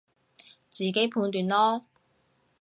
自己判斷囉